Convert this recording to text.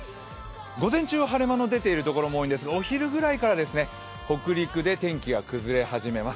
午前中は晴れ間の出ている所も多いんですが、お昼ぐらいから北陸で天気が崩れ始めます。